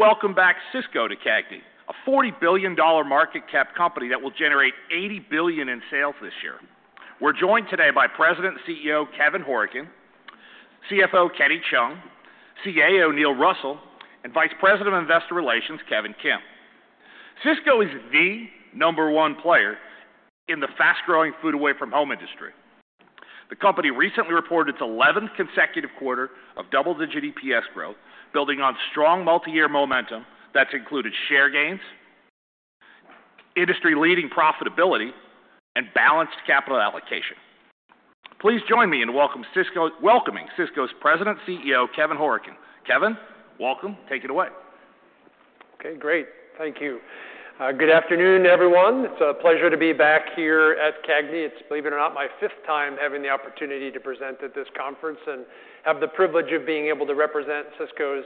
Welcome back, Sysco to CAGNY, a $40 billion market cap company that will generate $80 billion in sales this year. We're joined today by President and CEO Kevin Hourican, CFO Kenny Cheung, CAO Neil Russell, and Vice President of Investor Relations Kevin Kim. Sysco is the number one player in the fast-growing food away-from-home industry. The company recently reported its 11th consecutive quarter of double-digit EPS growth, building on strong multi-year momentum that's included share gains, industry-leading profitability, and balanced capital allocation. Please join me in welcoming Sysco's President and CEO Kevin Hourican. Kevin, welcome. Take it away. Okay, great. Thank you. Good afternoon, everyone. It's a pleasure to be back here at CAGNY. It's, believe it or not, my fifth time having the opportunity to present at this conference and have the privilege of being able to represent Sysco's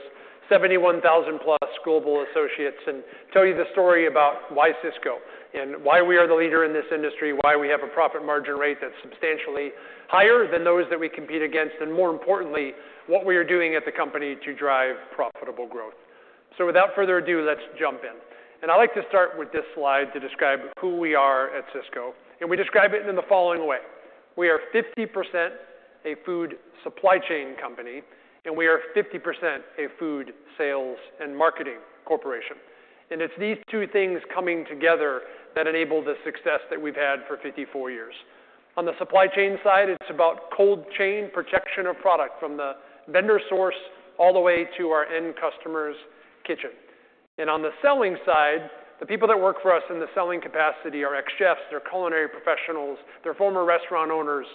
71,000-plus global associates and tell you the story about why Sysco, and why we are the leader in this industry, why we have a profit margin rate that's substantially higher than those that we compete against, and more importantly, what we are doing at the company to drive profitable growth. So without further ado, let's jump in. I like to start with this slide to describe who we are at Sysco. We describe it in the following way: we are 50% a food supply chain company, and we are 50% a food sales and marketing corporation. It's these two things coming together that enable the success that we've had for 54 years. On the supply chain side, it's about cold chain protection of product from the vendor source all the way to our end customer's kitchen. On the selling side, the people that work for us in the selling capacity are ex-chefs. They're culinary professionals. They're former restaurant owners.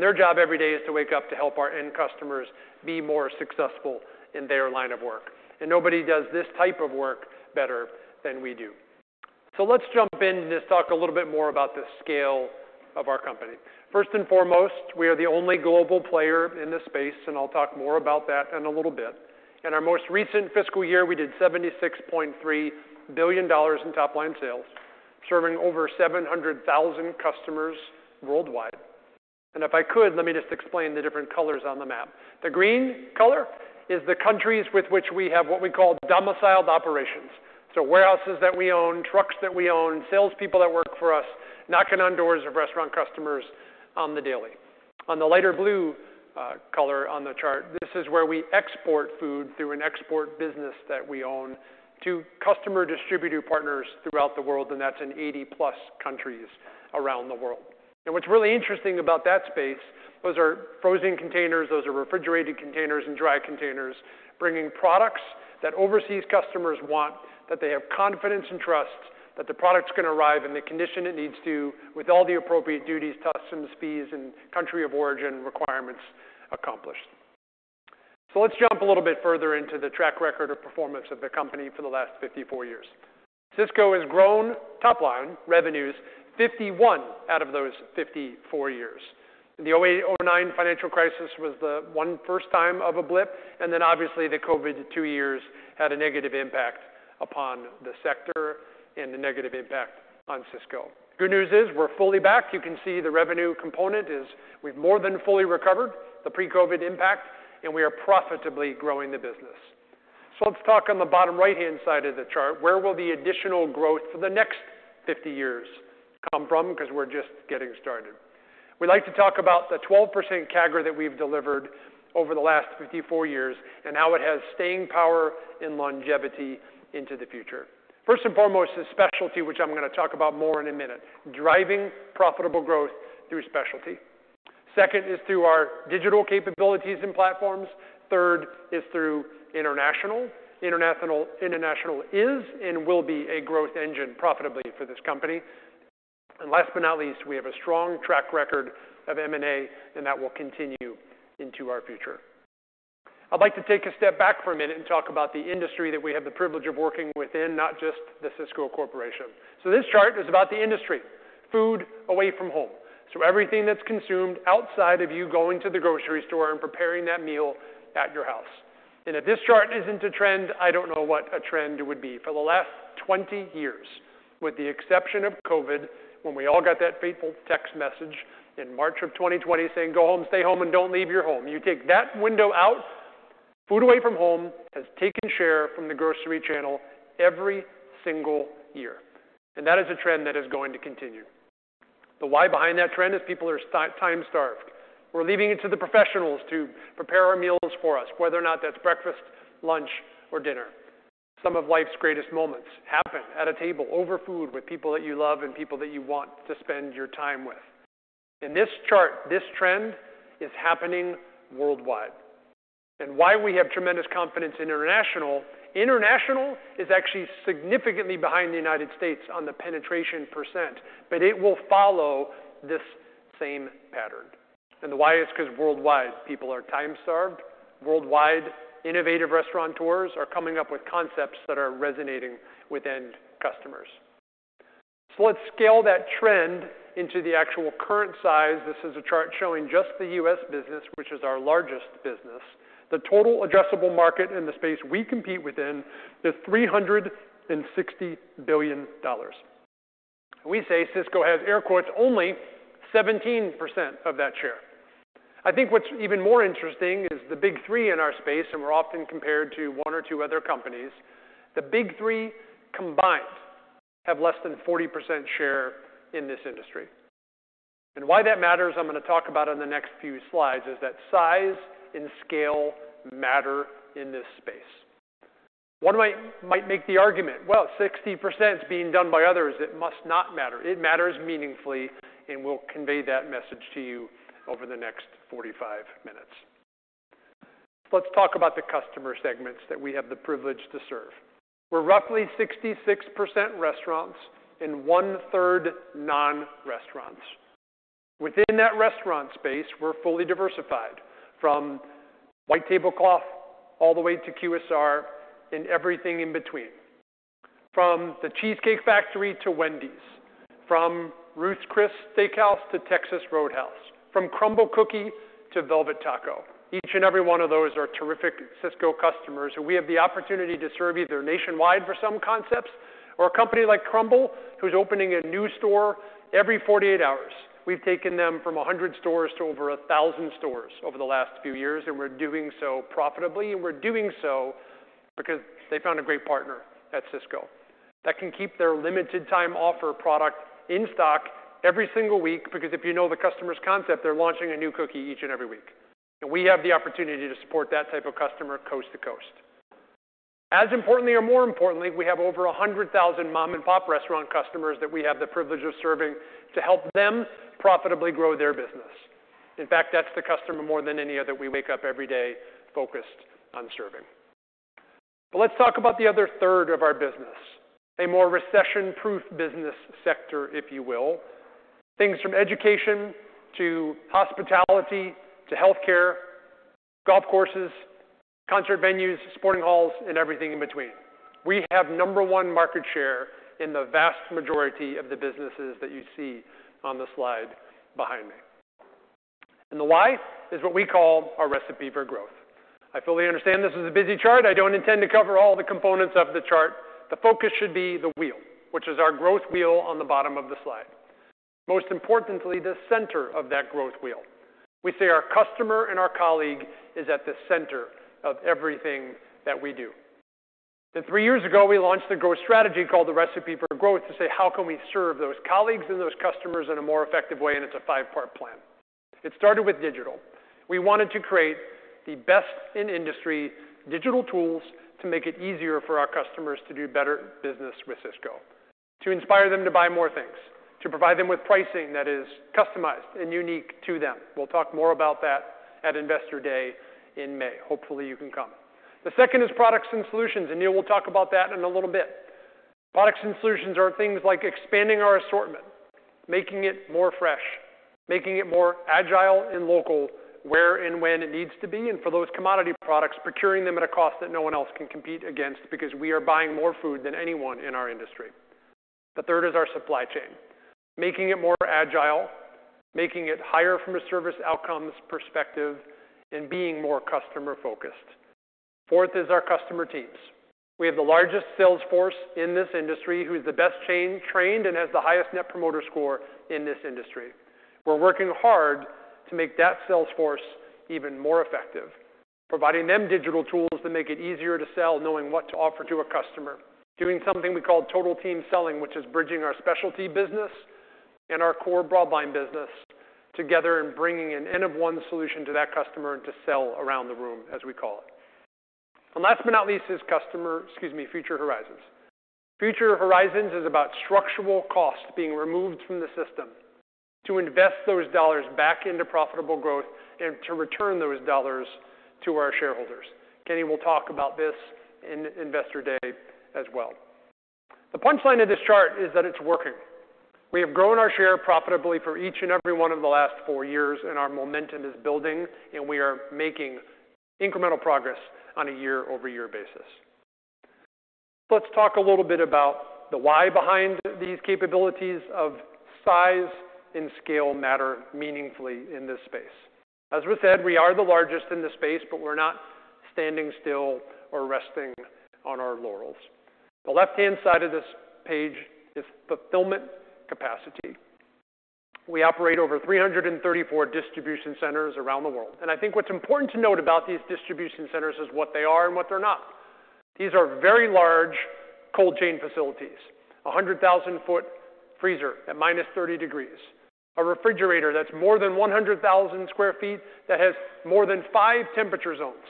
Their job every day is to wake up to help our end customers be more successful in their line of work. Nobody does this type of work better than we do. Let's jump in and just talk a little bit more about the scale of our company. First and foremost, we are the only global player in this space, and I'll talk more about that in a little bit. In our most recent fiscal year, we did $76.3 billion in top-line sales, serving over 700,000 customers worldwide. If I could, let me just explain the different colors on the map. The green color is the countries with which we have what we call domiciled operations. So warehouses that we own, trucks that we own, salespeople that work for us, knocking on doors of restaurant customers on the daily. On the lighter blue color on the chart, this is where we export food through an export business that we own to customer distributor partners throughout the world, and that's in 80+ countries around the world. And what's really interesting about that space, those are frozen containers, those are refrigerated containers, and dry containers, bringing products that overseas customers want, that they have confidence and trust, that the product's going to arrive in the condition it needs to with all the appropriate duties, customs, fees, and country of origin requirements accomplished. So let's jump a little bit further into the track record of performance of the company for the last 54 years. Sysco has grown top-line revenues 51 out of those 54 years. The 2008-2009 financial crisis was the first time of a blip, and then obviously, the COVID two years had a negative impact upon the sector and a negative impact on Sysco. The good news is we're fully back. You can see the revenue component is we've more than fully recovered the pre-COVID impact, and we are profitably growing the business. So let's talk on the bottom right-hand side of the chart where will the additional growth for the next 50 years come from because we're just getting started. We like to talk about the 12% CAGR that we've delivered over the last 54 years and how it has staying power and longevity into the future. First and foremost is specialty, which I'm going to talk about more in a minute, driving profitable growth through specialty. Second is through our digital capabilities and platforms. Third is through international. International is and will be a growth engine profitably for this company. And last but not least, we have a strong track record of M&A, and that will continue into our future. I'd like to take a step back for a minute and talk about the industry that we have the privilege of working within, not just the Sysco Corporation. This chart is about the industry, food away from home. Everything that's consumed outside of you going to the grocery store and preparing that meal at your house. If this chart isn't a trend, I don't know what a trend would be for the last 20 years, with the exception of COVID, when we all got that fateful text message in March of 2020 saying, "Go home, stay home, and don't leave your home." You take that window out, food away from home has taken share from the grocery channel every single year. That is a trend that is going to continue. The why behind that trend is people are time-starved. We're leaving it to the professionals to prepare our meals for us, whether or not that's breakfast, lunch, or dinner. Some of life's greatest moments happen at a table over food with people that you love and people that you want to spend your time with. In this chart, this trend is happening worldwide. Why we have tremendous confidence in international, international is actually significantly behind the United States on the penetration percent, but it will follow this same pattern. The why is because worldwide, people are time-starved. Worldwide, innovative restaurateurs are coming up with concepts that are resonating with end customers. Let's scale that trend into the actual current size. This is a chart showing just the U.S. business, which is our largest business. The total addressable market in the space we compete within is $360 billion. We say Sysco has, air quotes, "only" 17% of that share. I think what's even more interesting is the Big Three in our space, and we're often compared to one or two other companies; the Big Three combined have less than 40% share in this industry. And why that matters, I'm going to talk about in the next few slides, is that size and scale matter in this space. One might make the argument, "Well, 60% is being done by others. It must not matter." It matters meaningfully, and we'll convey that message to you over the next 45 minutes. So let's talk about the customer segments that we have the privilege to serve. We're roughly 66% restaurants and one-third non-restaurants. Within that restaurant space, we're fully diversified from white tablecloth all the way to QSR and everything in between, from The Cheesecake Factory to Wendy's, from Ruth's Chris Steakhouse to Texas Roadhouse, from Crumbl to Velvet Taco. Each and every one of those are terrific Sysco customers who we have the opportunity to serve either nationwide for some concepts or a company like Crumbl who's opening a new store every 48 hours. We've taken them from 100 stores to over 1,000 stores over the last few years, and we're doing so profitably. And we're doing so because they found a great partner at Sysco that can keep their limited-time offer product in stock every single week because if you know the customer's concept, they're launching a new cookie each and every week. And we have the opportunity to support that type of customer coast to coast. As importantly or more importantly, we have over 100,000 mom-and-pop restaurant customers that we have the privilege of serving to help them profitably grow their business. In fact, that's the customer more than any other that we wake up every day focused on serving. But let's talk about the other third of our business, a more recession-proof business sector, if you will, things from education to hospitality to healthcare, golf courses, concert venues, sporting halls, and everything in between. We have number one market share in the vast majority of the businesses that you see on the slide behind me. And the why is what we call our Recipe for Growth. I fully understand this is a busy chart. I don't intend to cover all the components of the chart. The focus should be the wheel, which is our growth wheel on the bottom of the slide, most importantly, the center of that growth wheel. We say our customer and our colleague is at the center of everything that we do. Three years ago, we launched a growth strategy called the Recipe for Growth to say, "How can we serve those colleagues and those customers in a more effective way?" It's a five-part plan. It started with digital. We wanted to create the best-in-industry digital tools to make it easier for our customers to do better business with Sysco, to inspire them to buy more things, to provide them with pricing that is customized and unique to them. We'll talk more about that at Investor Day in May. Hopefully, you can come. The second is products and solutions. Neil will talk about that in a little bit. Products and solutions are things like expanding our assortment, making it more fresh, making it more agile and local where and when it needs to be, and for those commodity products, procuring them at a cost that no one else can compete against because we are buying more food than anyone in our industry. The third is our supply chain, making it more agile, making it higher from a service outcomes perspective, and being more customer-focused. Fourth is our customer teams. We have the largest sales force in this industry who's the best trained and has the highest net promoter score in this industry. We're working hard to make that sales force even more effective, providing them digital tools that make it easier to sell, knowing what to offer to a customer, doing something we call total team selling, which is bridging our specialty business and our core broadline business together and bringing an N of 1 solution to that customer and to sell around the room, as we call it. Last but not least is customer, excuse me, Future Horizons. Future Horizons is about structural costs being removed from the system to invest those dollars back into profitable growth and to return those dollars to our shareholders. Kenny will talk about this in Investor Day as well. The punchline of this chart is that it's working. We have grown our share profitably for each and every one of the last 4 years, and our momentum is building, and we are making incremental progress on a year-over-year basis. So let's talk a little bit about the why behind these capabilities of size and scale matter meaningfully in this space. As we said, we are the largest in this space, but we're not standing still or resting on our laurels. The left-hand side of this page is fulfillment capacity. We operate over 334 distribution centers around the world. I think what's important to note about these distribution centers is what they are and what they're not. These are very large cold chain facilities, 100,000-sq-ft freezer at minus 30 degrees, a refrigerator that's more than 100,000 sq ft that has more than five temperature zones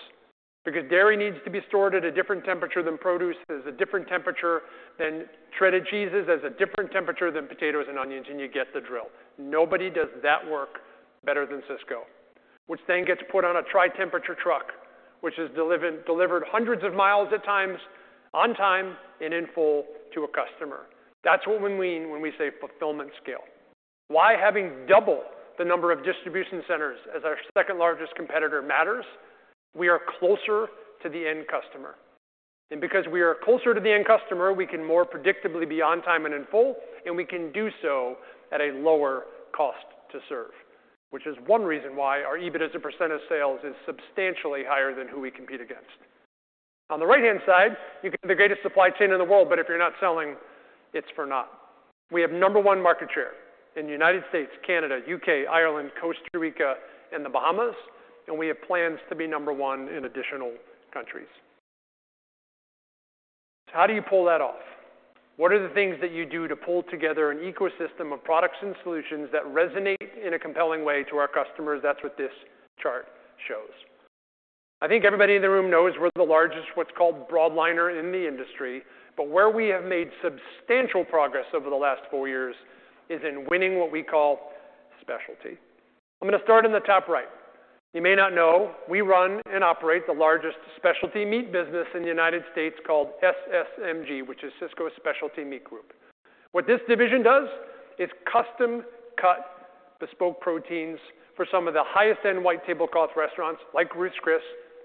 because dairy needs to be stored at a different temperature than produce is a different temperature than shredded cheese is a different temperature than potatoes and onions, and you get the drill. Nobody does that work better than Sysco, which then gets put on a tri-temperature truck, which is delivered hundreds of miles at times on time and in full to a customer. That's what we mean when we say fulfillment scale. Why? Having double the number of distribution centers as our second-largest competitor matters. We are closer to the end customer. Because we are closer to the end customer, we can more predictably be on time and in full, and we can do so at a lower cost to serve, which is one reason why our EBITDA as a percent of sales is substantially higher than who we compete against. On the right-hand side, you can see the greatest supply chain in the world, but if you're not selling, it's for naught. We have number one market share in the United States, Canada, U.K., Ireland, Costa Rica, and the Bahamas. And we have plans to be number one in additional countries. So how do you pull that off? What are the things that you do to pull together an ecosystem of products and solutions that resonate in a compelling way to our customers? That's what this chart shows. I think everybody in the room knows we're the largest, what's called broadliner in the industry. But where we have made substantial progress over the last four years is in winning what we call specialty. I'm going to start in the top right. You may not know we run and operate the largest specialty meat business in the United States called SSMG, which is Sysco's Specialty Meat Group. What this division does is custom-cut bespoke proteins for some of the highest-end white tablecloth restaurants like Ruth's Chris,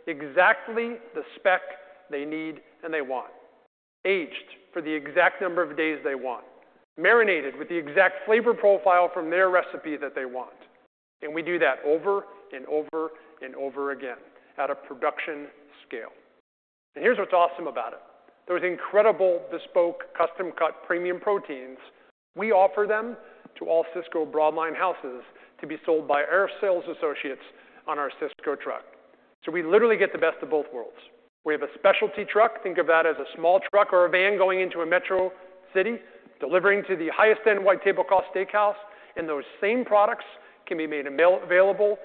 exactly the spec they need and they want, aged for the exact number of days they want, marinated with the exact flavor profile from their recipe that they want. And we do that over and over and over again at a production scale. And here's what's awesome about it. Those incredible bespoke custom-cut premium proteins, we offer them to all Sysco broadline houses to be sold by our sales associates on our Sysco truck. So we literally get the best of both worlds. We have a specialty truck. Think of that as a small truck or a van going into a metro city delivering to the highest-end white tablecloth steakhouse. And those same products can be made available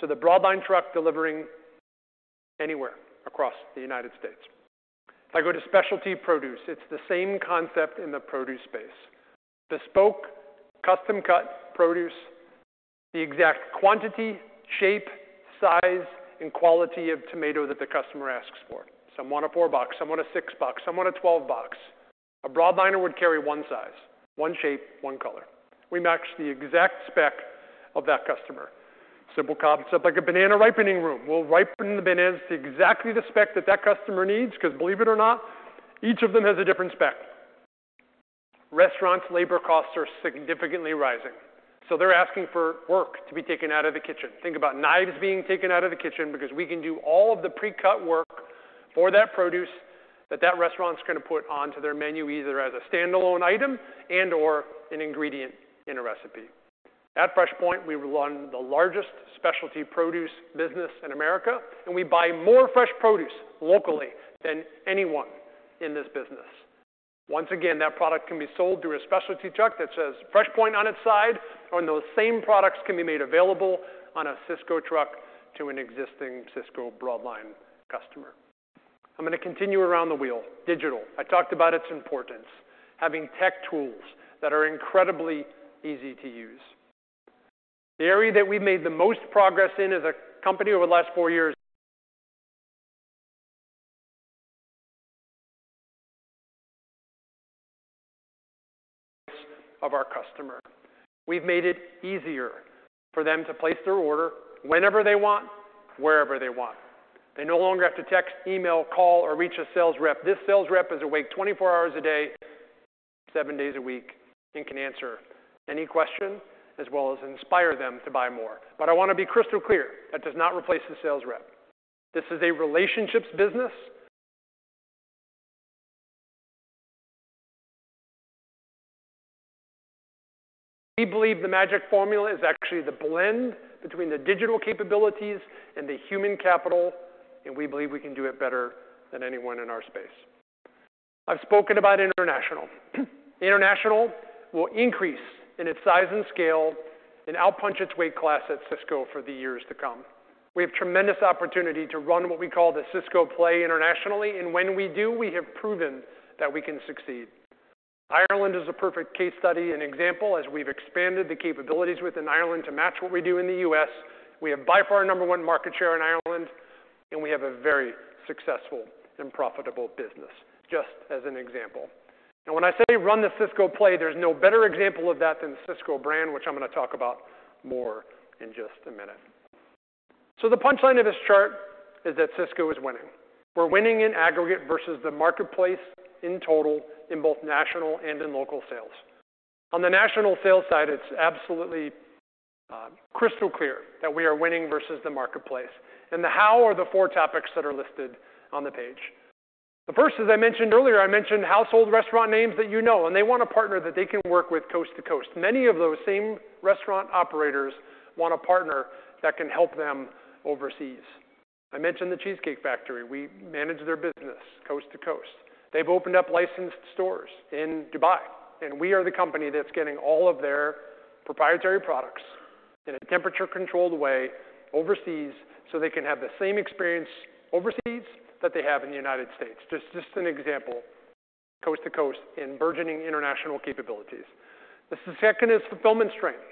to the broadline truck delivering anywhere across the United States. If I go to specialty produce, it's the same concept in the produce space, bespoke custom-cut produce, the exact quantity, shape, size, and quality of tomato that the customer asks for. Some want a 4-box, some want a 6-box, some want a 12-box. A broadliner would carry one size, one shape, one color. We match the exact spec of that customer. Simple concept, like a banana ripening room. We'll ripen the bananas to exactly the spec that that customer needs because believe it or not, each of them has a different spec. Restaurants' labor costs are significantly rising. So they're asking for work to be taken out of the kitchen. Think about knives being taken out of the kitchen because we can do all of the pre-cut work for that produce that that restaurant's going to put onto their menu either as a standalone item and/or an ingredient in a recipe. At FreshPoint, we run the largest specialty produce business in America. And we buy more fresh produce locally than anyone in this business. Once again, that product can be sold through a specialty truck that says FreshPoint on its side, or those same products can be made available on a Sysco truck to an existing Sysco broadline customer. I'm going to continue around the wheel, digital. I talked about its importance, having tech tools that are incredibly easy to use. The area that we've made the most progress in as a company over the last four years. Of our customer. We've made it easier for them to place their order whenever they want, wherever they want. They no longer have to text, email, call, or reach a sales rep. This sales rep is awake 24 hours a day, seven days a week, and can answer any question as well as inspire them to buy more. But I want to be crystal clear. That does not replace the sales rep. This is a relationships business. We believe the magic formula is actually the blend between the digital capabilities and the human capital. And we believe we can do it better than anyone in our space. I've spoken about international. International will increase in its size and scale and outpunch its weight class at Sysco for the years to come. We have tremendous opportunity to run what we call the Sysco play internationally. When we do, we have proven that we can succeed. Ireland is a perfect case study, an example, as we've expanded the capabilities within Ireland to match what we do in the U.S. We have by far number one market share in Ireland. We have a very successful and profitable business, just as an example. When I say run the Sysco play, there's no better example of that than the Sysco brand, which I'm going to talk about more in just a minute. The punchline of this chart is that Sysco is winning. We're winning in aggregate versus the marketplace in total in both national and in local sales. On the national sales side, it's absolutely crystal clear that we are winning versus the marketplace. And the how are the four topics that are listed on the page. The first, as I mentioned earlier, I mentioned household restaurant names that you know. And they want a partner that they can work with coast to coast. Many of those same restaurant operators want a partner that can help them overseas. I mentioned the Cheesecake Factory. We manage their business coast to coast. They've opened up licensed stores in Dubai. And we are the company that's getting all of their proprietary products in a temperature-controlled way overseas so they can have the same experience overseas that they have in the United States. Just an example, coast to coast in burgeoning international capabilities. The second is fulfillment strength,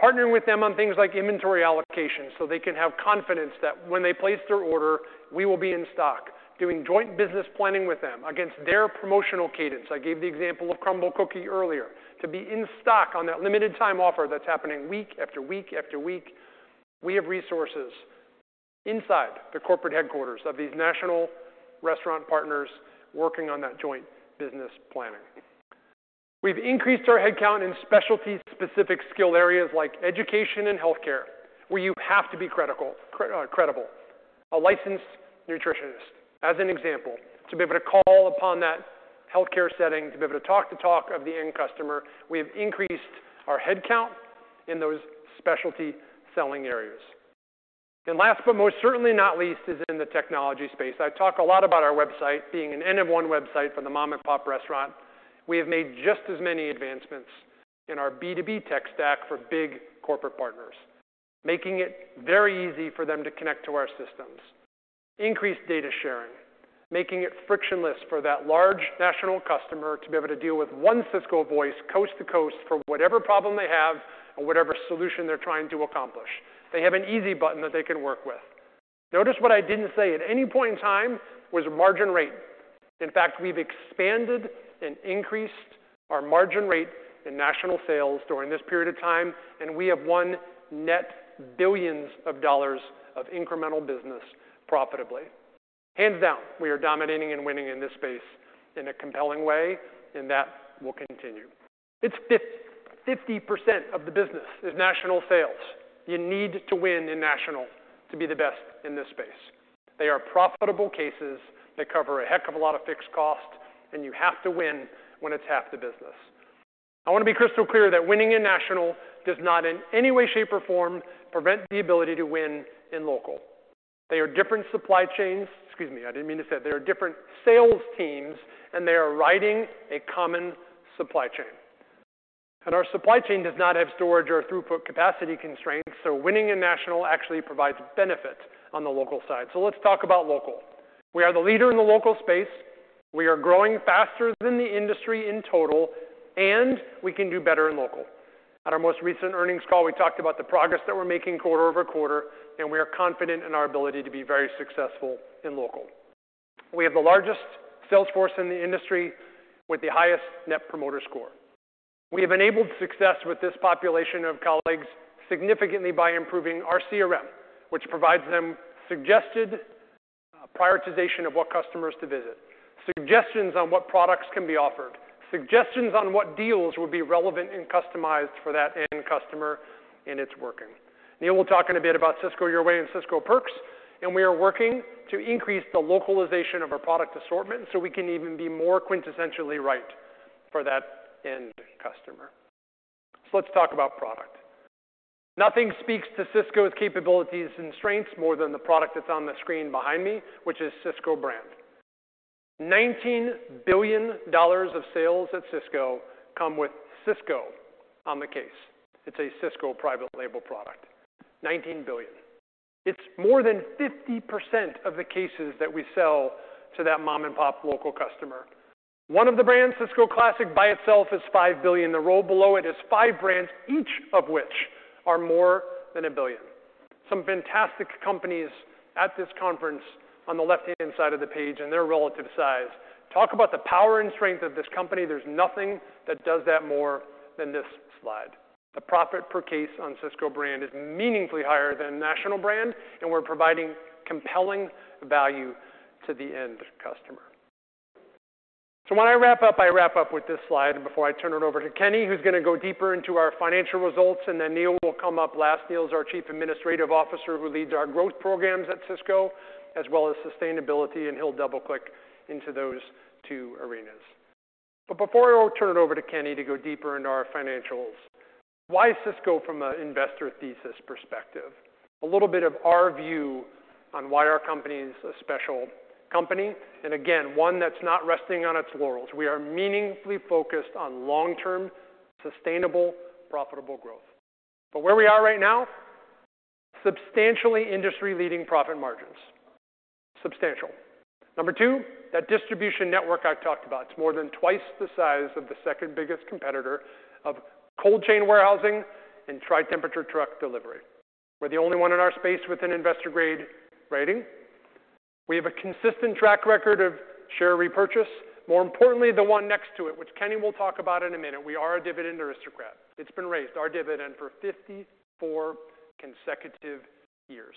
partnering with them on things like inventory allocation so they can have confidence that when they place their order, we will be in stock, doing joint business planning with them against their promotional cadence. I gave the example of Crumbl earlier, to be in stock on that limited-time offer that's happening week after week after week. We have resources inside the corporate headquarters of these national restaurant partners working on that joint business planning. We've increased our headcount in specialty-specific skill areas like education and healthcare, where you have to be credible, a licensed nutritionist, as an example, to be able to call upon that healthcare setting, to be able to talk the talk of the end customer. We have increased our headcount in those specialty selling areas. Last but most certainly not least is in the technology space. I talk a lot about our website being an end-of-one website for the mom-and-pop restaurant. We have made just as many advancements in our B2B tech stack for big corporate partners, making it very easy for them to connect to our systems, increased data sharing, making it frictionless for that large national customer to be able to deal with one Sysco voice coast to coast for whatever problem they have and whatever solution they're trying to accomplish. They have an easy button that they can work with. Notice what I didn't say at any point in time was margin rate. In fact, we've expanded and increased our margin rate in national sales during this period of time. And we have won net $ billions of incremental business profitably. Hands down, we are dominating and winning in this space in a compelling way. And that will continue. It's 50% of the business is national sales. You need to win in national to be the best in this space. They are profitable cases that cover a heck of a lot of fixed costs. You have to win when it's half the business. I want to be crystal clear that winning in national does not in any way, shape, or form prevent the ability to win in local. They are different supply chains, excuse me, I didn't mean to say, they are different sales teams. They are riding a common supply chain. Our supply chain does not have storage or throughput capacity constraints. Winning in national actually provides benefit on the local side. Let's talk about local. We are the leader in the local space. We are growing faster than the industry in total. We can do better in local. At our most recent earnings call, we talked about the progress that we're making quarter-over-quarter. We are confident in our ability to be very successful in local. We have the largest sales force in the industry with the highest net promoter score. We have enabled success with this population of colleagues significantly by improving our CRM, which provides them suggested prioritization of what customers to visit, suggestions on what products can be offered, suggestions on what deals would be relevant and customized for that end customer in its working. Neil will talk in a bit about Sysco Your Way and Sysco Perks. We are working to increase the localization of our product assortment so we can even be more quintessentially right for that end customer. Let's talk about product. Nothing speaks to Sysco's capabilities and strengths more than the product that's on the screen behind me, which is Sysco Brand. $19 billion of sales at Sysco come with Sysco on the case. It's a Sysco private label product, $19 billion. It's more than 50% of the cases that we sell to that mom-and-pop local customer. One of the brands, Sysco Classic, by itself is $5 billion. The row below it is five brands, each of which are more than $1 billion. Some fantastic companies at this conference on the left-hand side of the page in their relative size talk about the power and strength of this company. There's nothing that does that more than this slide. The profit per case on Sysco Brand is meaningfully higher than national brand. And we're providing compelling value to the end customer. So when I wrap up, I wrap up with this slide. And before I turn it over to Kenny, who's going to go deeper into our financial results. And then Neil will come up last. Neil's our Chief Administrative Officer who leads our growth programs at Sysco as well as sustainability. And he'll double-click into those two arenas. But before I turn it over to Kenny to go deeper into our financials, why Sysco from an investor thesis perspective, a little bit of our view on why our company is a special company. And again, one that's not resting on its laurels. We are meaningfully focused on long-term, sustainable, profitable growth. But where we are right now, substantially industry-leading profit margins, substantial. Number two, that distribution network I talked about, it's more than twice the size of the second biggest competitor of cold chain warehousing and tri-temperature truck delivery. We're the only one in our space with an investor-grade rating. We have a consistent track record of share repurchase, more importantly, the one next to it, which Kenny will talk about in a minute. We are a Dividend Aristocrat. It's been raised, our dividend, for 54 consecutive years,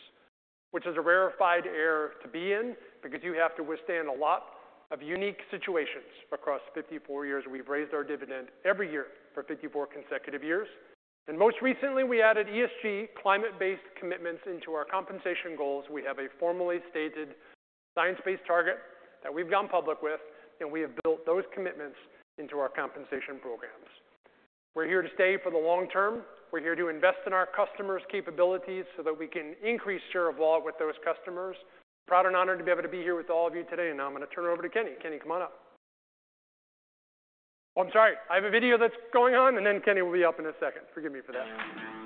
which is a rarefied air to be in because you have to withstand a lot of unique situations across 54 years. We've raised our dividend every year for 54 consecutive years. And most recently, we added ESG climate-based commitments into our compensation goals. We have a formally stated science-based target that we've gone public with. And we have built those commitments into our compensation programs. We're here to stay for the long term. We're here to invest in our customers' capabilities so that we can increase share of wealth with those customers. Proud and honored to be able to be here with all of you today. Now I'm going to turn it over to Kenny. Kenny, come on up. Oh, I'm sorry. I have a video that's going on. Then Kenny will be up in a second. Forgive me for that.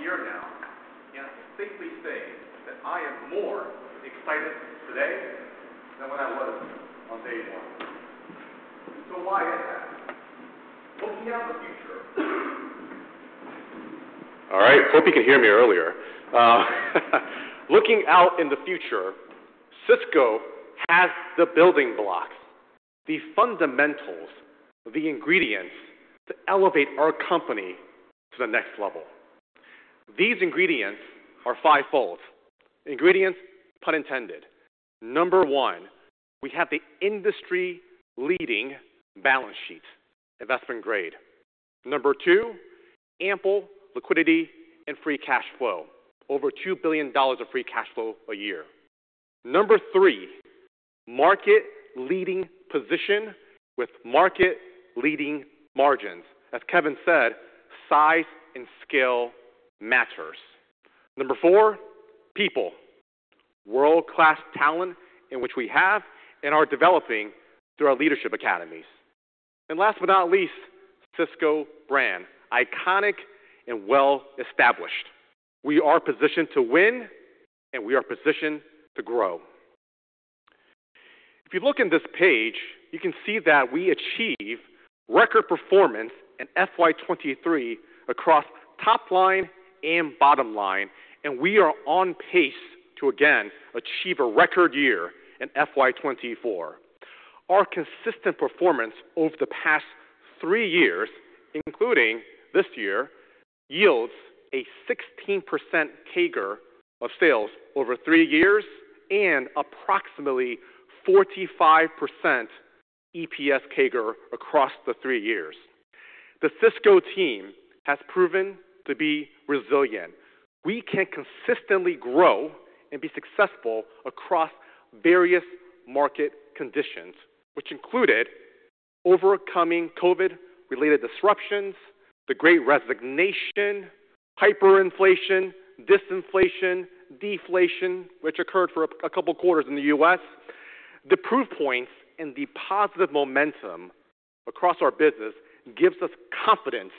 All right. Good afternoon, everyone. Great. It's great to be at Sysco. Now, before I get started, I'd like to thank our customers, our colleagues, our partners, our shareholders. Thank you for everything you do. Thank you for your continued support to Sysco. I've been at Sysco for almost a year now. I can safely say that I am more excited today than when I was on day one. So why is that? Looking out in the future. All right. Hope you could hear me earlier. Looking out in the future, Sysco has the building blocks, the fundamentals, the ingredients to elevate our company to the next level. These ingredients are five-fold, ingredients, pun intended. Number one, we have the industry-leading balance sheet, investment grade. Number two, ample liquidity and free cash flow, over $2 billion of free cash flow a year. Number three, market-leading position with market-leading margins. As Kevin said, size and scale matters. Number four, people, world-class talent in which we have and are developing through our leadership academies. And last but not least, Sysco brand, iconic and well-established. We are positioned to win. And we are positioned to grow. If you look in this page, you can see that we achieve record performance in FY23 across top line and bottom line. And we are on pace to, again, achieve a record year in FY24. Our consistent performance over the past three years, including this year, yields a 16% CAGR of sales over three years and approximately 45% EPS CAGR across the three years. The Sysco team has proven to be resilient. We can consistently grow and be successful across various market conditions, which included overcoming COVID-related disruptions, the Great Resignation, hyperinflation, disinflation, deflation, which occurred for a couple of quarters in the US. The proof points and the positive momentum across our business gives us confidence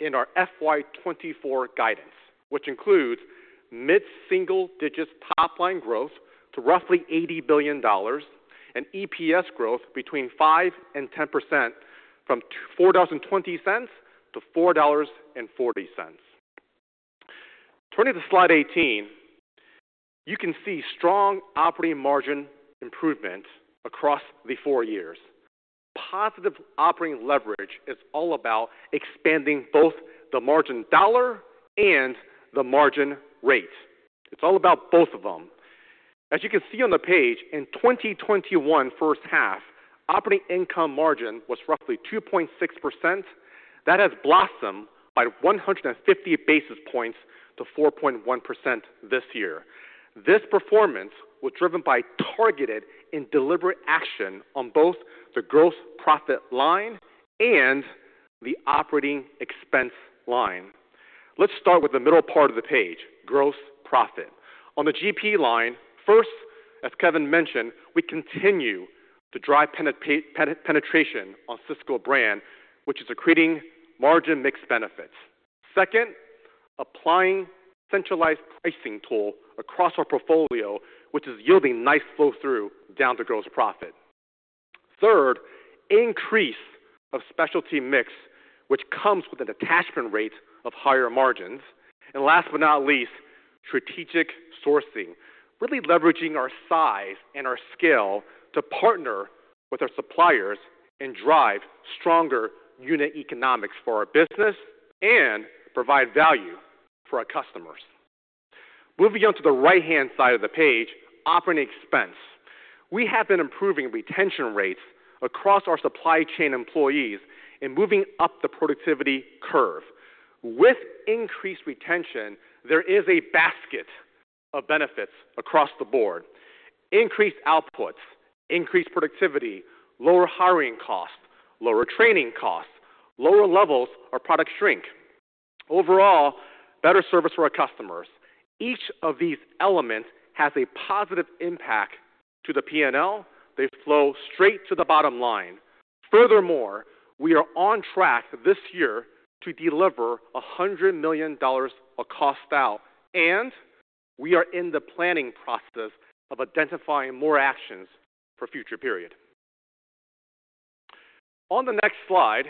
in our FY24 guidance, which includes mid-single-digit top line growth to roughly $80 billion and EPS growth between 5%-10% from $4.20-$4.40. Turning to slide 18, you can see strong operating margin improvement across the four years. Positive operating leverage is all about expanding both the margin dollar and the margin rate. It's all about both of them. As you can see on the page, in 2021 first half, operating income margin was roughly 2.6%. That has blossomed by 150 basis points to 4.1% this year. This performance was driven by targeted and deliberate action on both the gross profit line and the operating expense line. Let's start with the middle part of the page, gross profit. On the GP line, first, as Kevin mentioned, we continue to drive penetration on Sysco Brand, which is creating margin-mixed benefits. Second, applying a centralized pricing tool across our portfolio, which is yielding nice flow-through down to gross profit. Third, increase of specialty mix, which comes with an attachment rate of higher margins. And last but not least, strategic sourcing, really leveraging our size and our scale to partner with our suppliers and drive stronger unit economics for our business and provide value for our customers. Moving on to the right-hand side of the page, operating expense. We have been improving retention rates across our supply chain employees and moving up the productivity curve. With increased retention, there is a basket of benefits across the board: increased outputs, increased productivity, lower hiring costs, lower training costs, lower levels of product shrink, overall better service for our customers. Each of these elements has a positive impact to the P&L. They flow straight to the bottom line. Furthermore, we are on track this year to deliver $100 million of cost out. We are in the planning process of identifying more actions for the future period. On the next slide,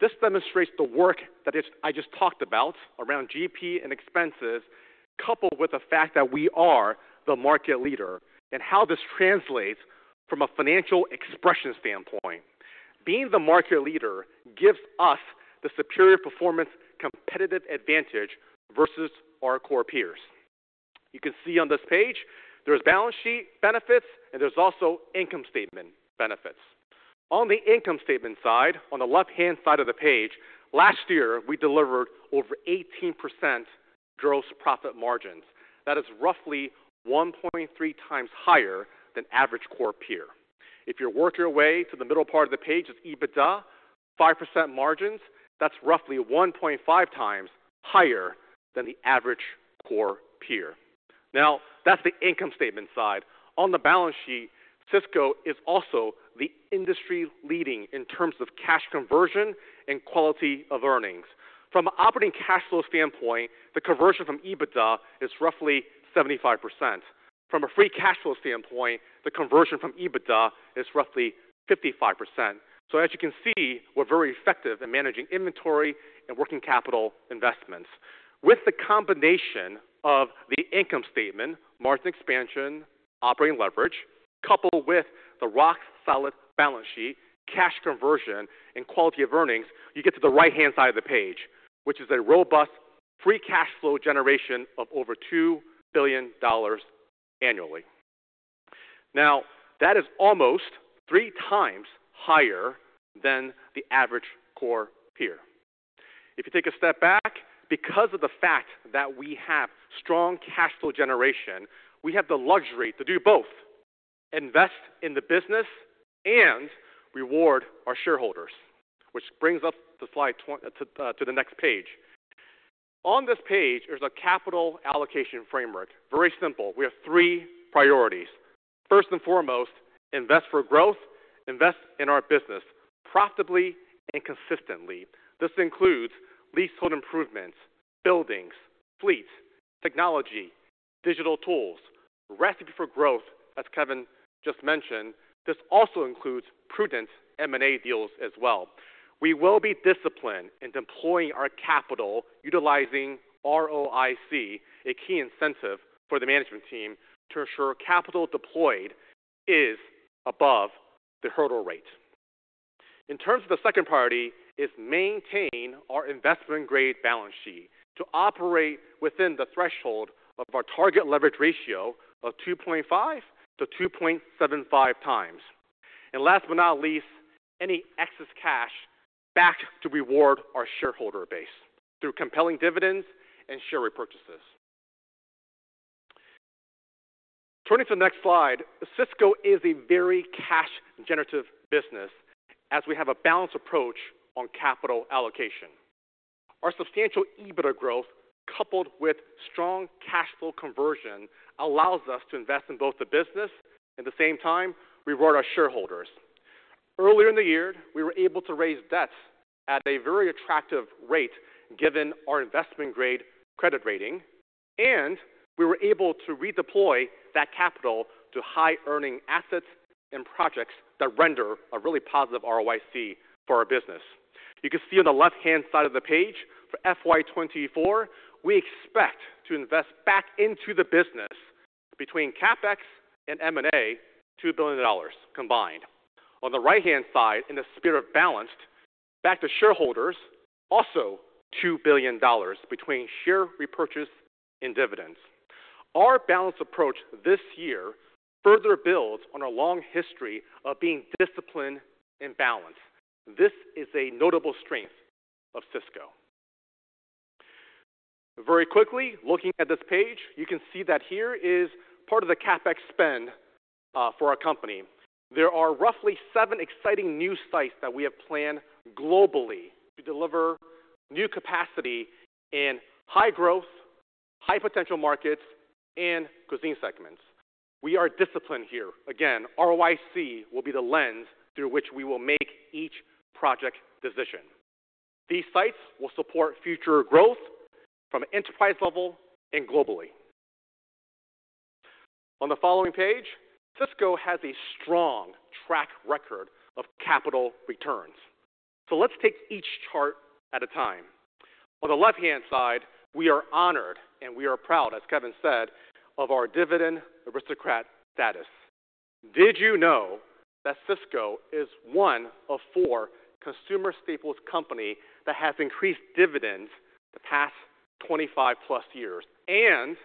this demonstrates the work that I just talked about around GP and expenses, coupled with the fact that we are the market leader and how this translates from a financial expression standpoint. Being the market leader gives us the superior performance competitive advantage versus our core peers. You can see on this page, there are balance sheet benefits. There are also income statement benefits. On the income statement side, on the left-hand side of the page, last year, we delivered over 18% gross profit margins. That is roughly 1.3 times higher than average core peer. If you work your way to the middle part of the page, it's EBITDA, 5% margins. That's roughly 1.5 times higher than the average core peer. Now, that's the income statement side. On the balance sheet, Sysco is also the industry-leading in terms of cash conversion and quality of earnings. From an operating cash flow standpoint, the conversion from EBITDA is roughly 75%. From a free cash flow standpoint, the conversion from EBITDA is roughly 55%. So as you can see, we're very effective in managing inventory and working capital investments. With the combination of the income statement, margin expansion, operating leverage, coupled with the rock-solid balance sheet, cash conversion, and quality of earnings, you get to the right-hand side of the page, which is a robust free cash flow generation of over $2 billion annually. Now, that is almost three times higher than the average core peer. If you take a step back, because of the fact that we have strong cash flow generation, we have the luxury to do both, invest in the business, and reward our shareholders, which brings us to the next page. On this page, there's a capital allocation framework, very simple. We have three priorities. First and foremost, invest for growth, invest in our business profitably and consistently. This includes leasehold improvements, buildings, fleets, technology, digital tools, Recipe for Growth, as Kevin just mentioned. This also includes prudent M&A deals as well. We will be disciplined in deploying our capital, utilizing ROIC, a key incentive for the management team to ensure capital deployed is above the hurdle rate. In terms of the second priority, it's maintain our investment-grade balance sheet to operate within the threshold of our target leverage ratio of 2.5-2.75x. Last but not least, any excess cash back to reward our shareholder base through compelling dividends and share repurchases. Turning to the next slide, Sysco is a very cash-generative business as we have a balanced approach on capital allocation. Our substantial EBITDA growth, coupled with strong cash flow conversion, allows us to invest in both the business. At the same time, reward our shareholders. Earlier in the year, we were able to raise debt at a very attractive rate given our investment-grade credit rating. We were able to redeploy that capital to high-earning assets and projects that render a really positive ROIC for our business. You can see on the left-hand side of the page, for FY 2024, we expect to invest back into the business between CapEx and M&A, $2 billion combined. On the right-hand side, in the spirit of balanced, back to shareholders, also $2 billion between share repurchase and dividends. Our balanced approach this year further builds on our long history of being disciplined and balanced. This is a notable strength of Sysco. Very quickly, looking at this page, you can see that here is part of the CapEx spend for our company. There are roughly seven exciting new sites that we have planned globally to deliver new capacity in high-growth, high-potential markets, and cuisine segments. We are disciplined here. Again, ROIC will be the lens through which we will make each project decision. These sites will support future growth from enterprise level and globally. On the following page, Sysco has a strong track record of capital returns. So let's take each chart at a time. On the left-hand side, we are honored and we are proud, as Kevin said, of our dividend aristocrat status. Did you know that Sysco is one of 4 consumer staples companies that has increased dividends the past 25-plus years and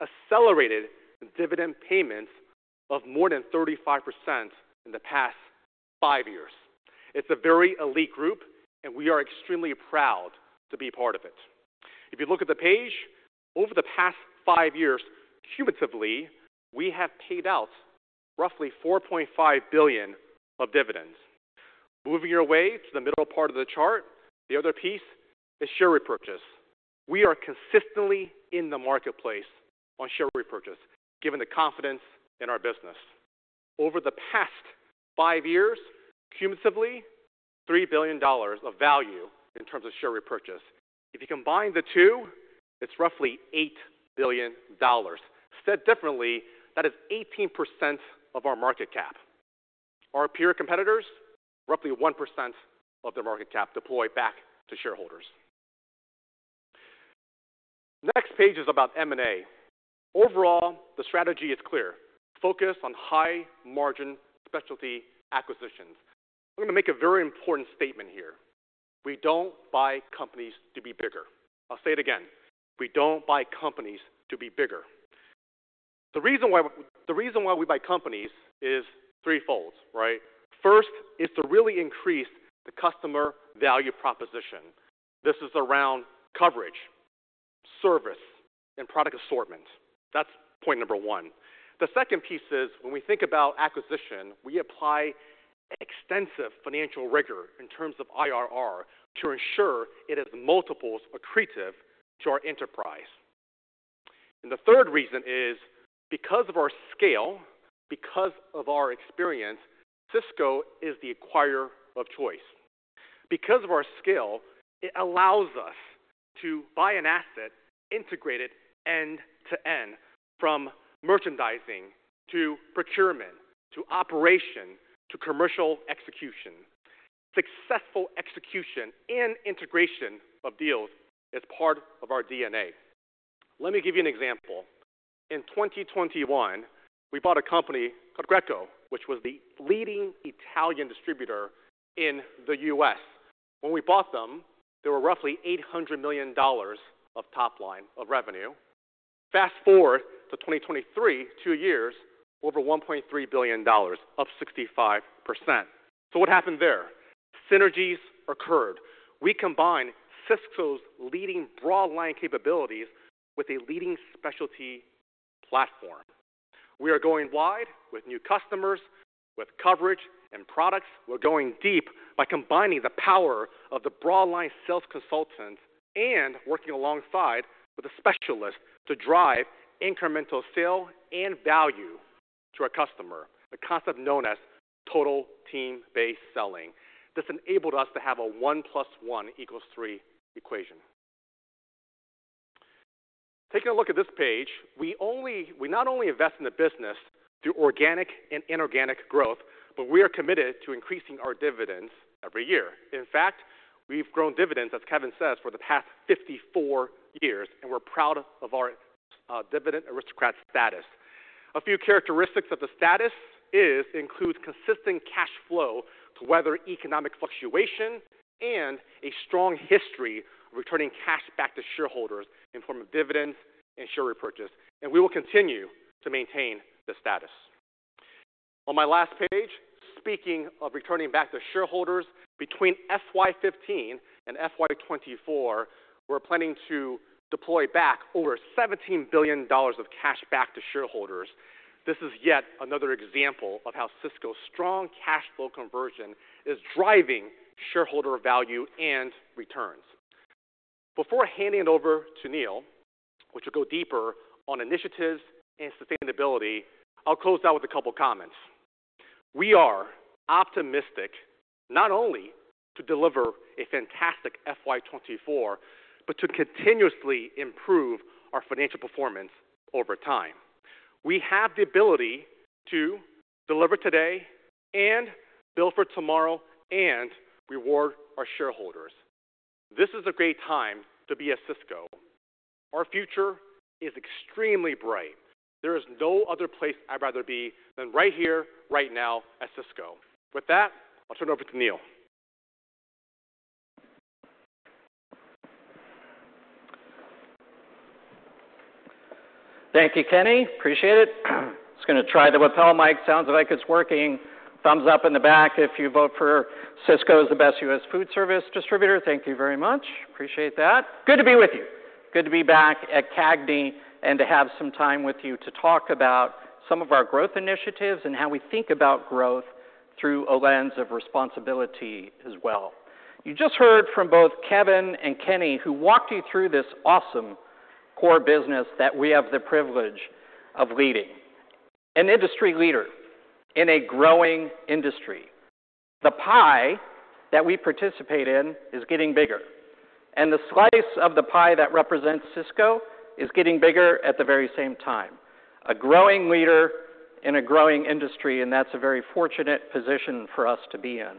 accelerated dividend payments of more than 35% in the past five years? It's a very elite group. And we are extremely proud to be part of it. If you look at the page, over the past five years, cumulatively, we have paid out roughly $4.5 billion of dividends. Moving your way to the middle part of the chart, the other piece is share repurchase. We are consistently in the marketplace on share repurchase given the confidence in our business. Over the past five years, cumulatively, $3 billion of value in terms of share repurchase. If you combine the two, it's roughly $8 billion. Said differently, that is 18% of our market cap. Our peer competitors, roughly 1% of their market cap deploy back to shareholders. Next page is about M&A. Overall, the strategy is clear, focused on high-margin specialty acquisitions. I'm going to make a very important statement here. We don't buy companies to be bigger. I'll say it again. We don't buy companies to be bigger. The reason why we buy companies is threefold, right? First, it's to really increase the customer value proposition. This is around coverage, service, and product assortment. That's point number one. The second piece is, when we think about acquisition, we apply extensive financial rigor in terms of IRR to ensure it is multiples accretive to our enterprise. And the third reason is, because of our scale, because of our experience, Sysco is the acquirer of choice. Because of our scale, it allows us to buy an asset, integrate it end to end, from merchandising to procurement to operation to commercial execution. Successful execution and integration of deals is part of our DNA. Let me give you an example. In 2021, we bought a company called Greco, which was the leading Italian distributor in the U.S. When we bought them, there were roughly $800 million of top line of revenue. Fast forward to 2023, two years, over $1.3 billion, up 65%. So what happened there? Synergies occurred. We combined Sysco's leading broadline capabilities with a leading specialty platform. We are going wide with new customers, with coverage and products. We're going deep by combining the power of the broadline sales consultant and working alongside with a specialist to drive incremental sale and value to our customer, the concept known as total team-based selling. This enabled us to have a 1 plus 1 equals 3 equation. Taking a look at this page, we not only invest in the business through organic and inorganic growth, but we are committed to increasing our dividends every year. In fact, we've grown dividends, as Kevin says, for the past 54 years. We're proud of our dividend aristocrat status. A few characteristics of the status include consistent cash flow to weather economic fluctuation and a strong history of returning cash back to shareholders in the form of dividends and share repurchase. We will continue to maintain this status. On my last page, speaking of returning back to shareholders, between FY15 and FY24, we're planning to deploy back over $17 billion of cash back to shareholders. This is yet another example of how Sysco's strong cash flow conversion is driving shareholder value and returns. Before handing it over to Neil, who will go deeper on initiatives and sustainability, I'll close out with a couple of comments. We are optimistic not only to deliver a fantastic FY24, but to continuously improve our financial performance over time. We have the ability to deliver today and build for tomorrow and reward our shareholders. This is a great time to be at Sysco. Our future is extremely bright. There is no other place I'd rather be than right here, right now, at Sysco. With that, I'll turn it over to Neil. Thank you, Kenny. Appreciate it. I'm just going to try the lapel mic. Sounds like it's working. Thumbs up in the back if you vote for Sysco as the best U.S. food service distributor. Thank you very much. Appreciate that. Good to be with you. Good to be back at CAGNY and to have some time with you to talk about some of our growth initiatives and how we think about growth through a lens of responsibility as well. You just heard from both Kevin and Kenny, who walked you through this awesome core business that we have the privilege of leading, an industry leader in a growing industry. The pie that we participate in is getting bigger. And the slice of the pie that represents Sysco is getting bigger at the very same time, a growing leader in a growing industry. That's a very fortunate position for us to be in.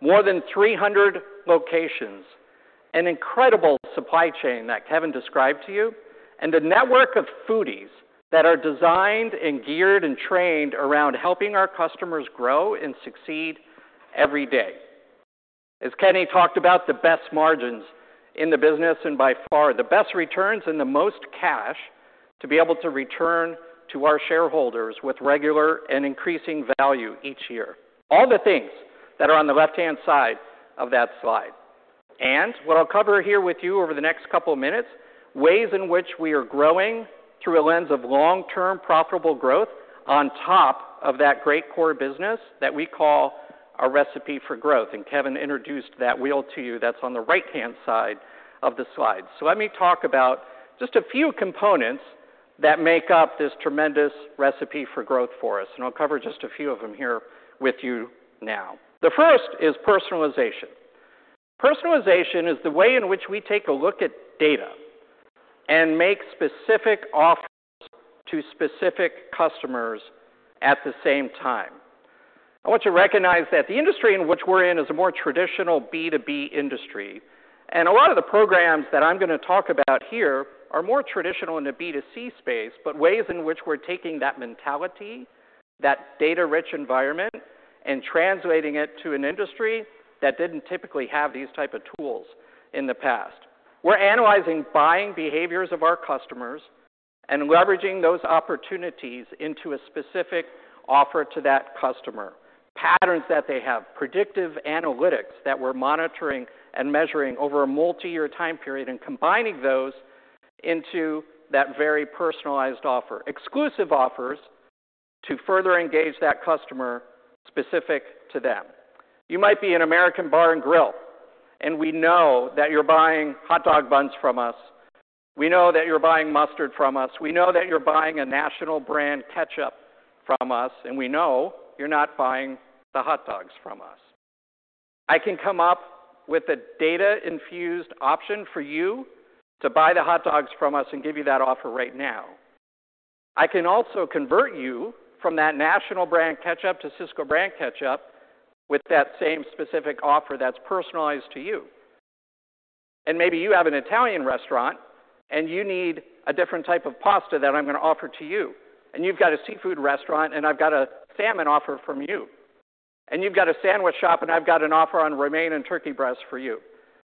More than 300 locations, an incredible supply chain that Kevin described to you, and a network of foodies that are designed and geared and trained around helping our customers grow and succeed every day. As Kenny talked about, the best margins in the business and by far the best returns and the most cash to be able to return to our shareholders with regular and increasing value each year, all the things that are on the left-hand side of that slide. And what I'll cover here with you over the next couple of minutes, ways in which we are growing through a lens of long-term profitable growth on top of that great core business that we call our Recipe for Growth. And Kevin introduced that wheel to you that's on the right-hand side of the slide. So let me talk about just a few components that make up this tremendous Recipe for Growth for us. I'll cover just a few of them here with you now. The first is personalization. Personalization is the way in which we take a look at data and make specific offers to specific customers at the same time. I want you to recognize that the industry in which we're in is a more traditional B2B industry. A lot of the programs that I'm going to talk about here are more traditional in the B2C space, but ways in which we're taking that mentality, that data-rich environment, and translating it to an industry that didn't typically have these types of tools in the past. We're analyzing buying behaviors of our customers and leveraging those opportunities into a specific offer to that customer, patterns that they have, predictive analytics that we're monitoring and measuring over a multi-year time period, and combining those into that very personalized offer, exclusive offers to further engage that customer specific to them. You might be in American Bar and Grill, and we know that you're buying hot dog buns from us. We know that you're buying mustard from us. We know that you're buying a national brand ketchup from us. And we know you're not buying the hot dogs from us. I can come up with a data-infused option for you to buy the hot dogs from us and give you that offer right now. I can also convert you from that national brand ketchup to Sysco brand ketchup with that same specific offer that's personalized to you. Maybe you have an Italian restaurant, and you need a different type of pasta that I'm going to offer to you. And you've got a seafood restaurant, and I've got a salmon offer from you. And you've got a sandwich shop, and I've got an offer on romaine and turkey breast for you,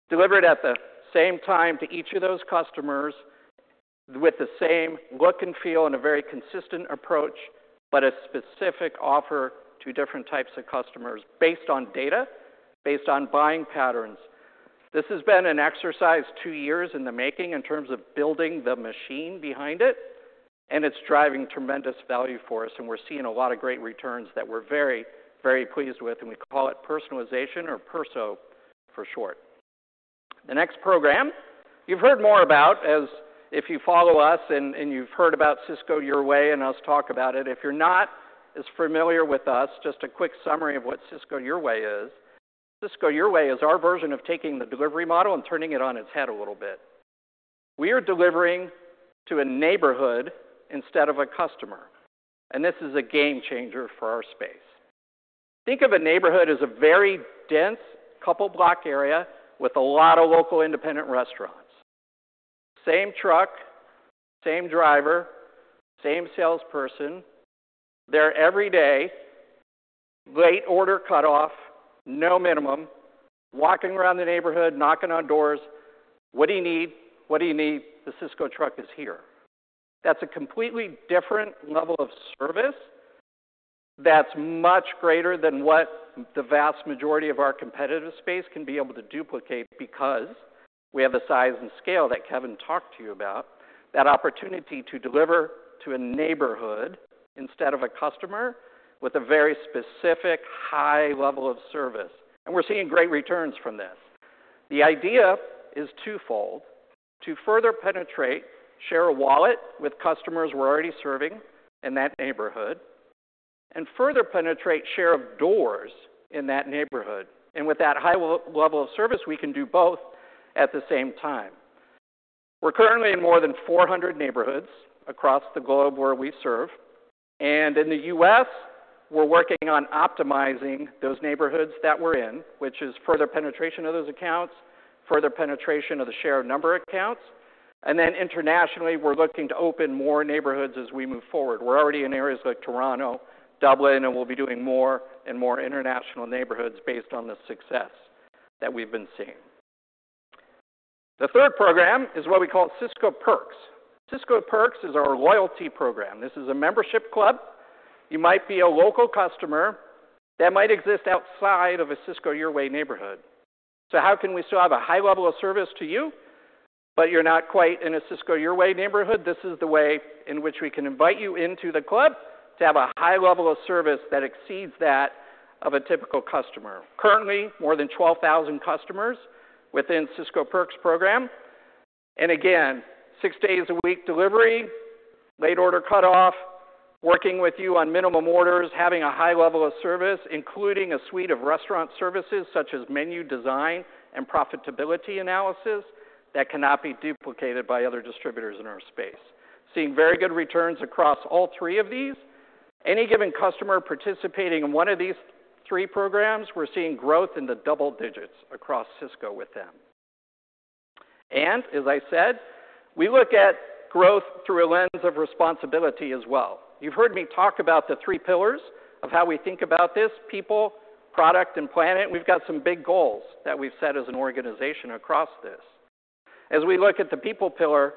delivered at the same time to each of those customers with the same look and feel and a very consistent approach, but a specific offer to different types of customers based on data, based on buying patterns. This has been an exercise two years in the making in terms of building the machine behind it. And it's driving tremendous value for us. And we're seeing a lot of great returns that we're very, very pleased with. And we call it personalization or perso for short. The next program you've heard more about as if you follow us and you've heard about Sysco Your Way and us talk about it. If you're not as familiar with us, just a quick summary of what Sysco Your Way is. Sysco Your Way is our version of taking the delivery model and turning it on its head a little bit. We are delivering to a neighborhood instead of a customer. This is a game changer for our space. Think of a neighborhood as a very dense couple-block area with a lot of local independent restaurants, same truck, same driver, same salesperson there every day, late order cutoff, no minimum, walking around the neighborhood, knocking on doors. What do you need? What do you need? The Sysco truck is here. That's a completely different level of service that's much greater than what the vast majority of our competitive space can be able to duplicate because we have the size and scale that Kevin talked to you about, that opportunity to deliver to a neighborhood instead of a customer with a very specific high level of service. We're seeing great returns from this. The idea is twofold: to further penetrate, share a wallet with customers we're already serving in that neighborhood, and further penetrate share of doors in that neighborhood. With that high level of service, we can do both at the same time. We're currently in more than 400 neighborhoods across the globe where we serve. In the U.S., we're working on optimizing those neighborhoods that we're in, which is further penetration of those accounts, further penetration of the share of number accounts. And then internationally, we're looking to open more neighborhoods as we move forward. We're already in areas like Toronto, Dublin, and we'll be doing more and more international neighborhoods based on the success that we've been seeing. The third program is what we call Sysco Perks. Sysco Perks is our loyalty program. This is a membership club. You might be a local customer that might exist outside of a Sysco Your Way neighborhood. So how can we still have a high level of service to you, but you're not quite in a Sysco Your Way neighborhood? This is the way in which we can invite you into the club to have a high level of service that exceeds that of a typical customer. Currently, more than 12,000 customers within Sysco Perks program. And again, six days a week delivery, late order cutoff, working with you on minimum orders, having a high level of service, including a suite of restaurant services such as menu design and profitability analysis that cannot be duplicated by other distributors in our space, seeing very good returns across all three of these. Any given customer participating in one of these three programs, we're seeing growth in the double digits across Sysco with them. And as I said, we look at growth through a lens of responsibility as well. You've heard me talk about the three pillars of how we think about this: people, product, and planet. And we've got some big goals that we've set as an organization across this. As we look at the people pillar,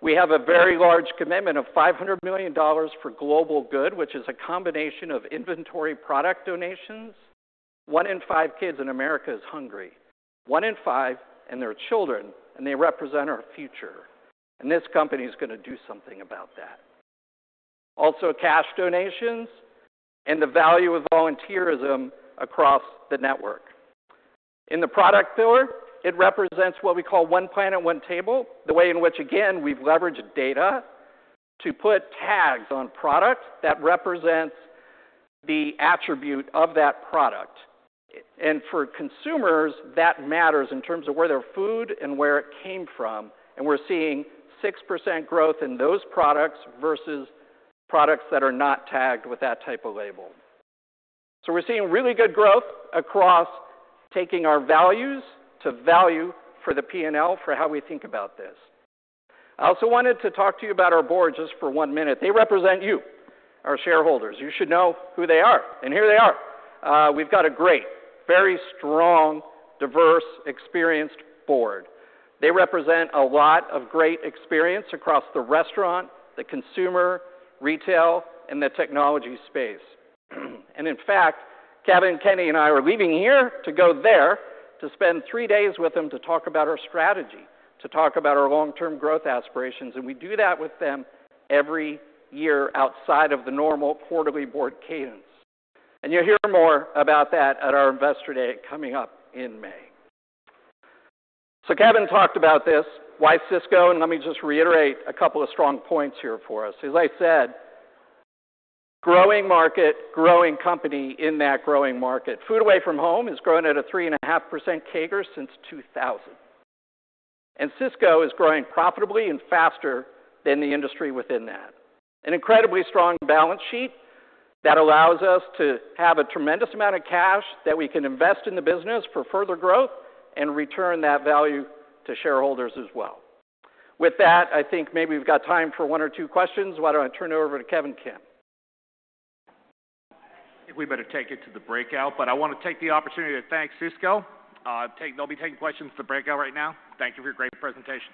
we have a very large commitment of $500 million for global good, which is a combination of inventory product donations. One in five kids in America is hungry. One in five, and they're children, and they represent our future. And this company is going to do something about that. Also, cash donations and the value of volunteerism across the network. In the product pillar, it represents what we call One Planet. One Table., the way in which, again, we've leveraged data to put tags on product that represents the attribute of that product. And for consumers, that matters in terms of where their food and where it came from. And we're seeing 6% growth in those products versus products that are not tagged with that type of label. So we're seeing really good growth across taking our values to value for the P&L, for how we think about this. I also wanted to talk to you about our board just for one minute. They represent you, our shareholders. You should know who they are. And here they are. We've got a great, very strong, diverse, experienced board. They represent a lot of great experience across the restaurant, the consumer, retail, and the technology space. And in fact, Kevin, Kenny, and I are leaving here to go there to spend three days with them to talk about our strategy, to talk about our long-term growth aspirations. And we do that with them every year outside of the normal quarterly board cadence. And you'll hear more about that at our Investor Day coming up in May. So Kevin talked about this, why Sysco. And let me just reiterate a couple of strong points here for us. As I said, growing market, growing company in that growing market. Food away from home is growing at a 3.5% CAGR since 2000. Sysco is growing profitably and faster than the industry within that, an incredibly strong balance sheet that allows us to have a tremendous amount of cash that we can invest in the business for further growth and return that value to shareholders as well. With that, I think maybe we've got time for one or two questions. Why don't I turn it over to Kevin Kim? I think we better take it to the breakout. But I want to take the opportunity to thank Sysco. They'll be taking questions at the breakout right now. Thank you for your great presentation.